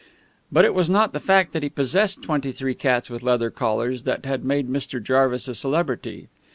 But it was not the fact that he possessed twenty three cats with leather collars that had made Mr. Jarvis a celebrity.